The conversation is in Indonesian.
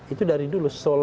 itu dari dulu